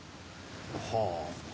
はあ。